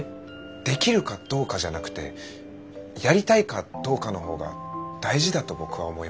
できるかどうかじゃなくてやりたいかどうかのほうが大事だと僕は思います。